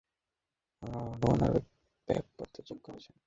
Gerrard উনার ব্যাগপত্র check করেছেন।